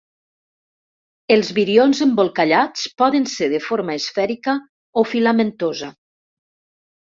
Els virions embolcallats poden ser de forma esfèrica o filamentosa.